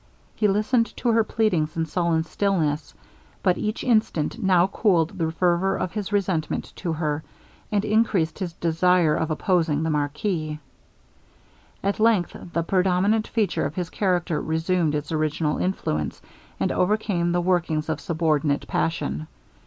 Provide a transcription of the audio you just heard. He listened to her pleadings in sullen stillness. But each instant now cooled the fervour of his resentment to her, and increased his desire of opposing the marquis. At length the predominant feature of his character resumed its original influence, and overcame the workings of subordinate passion.